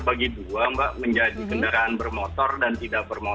begitu maks skype dieceberkan sendiri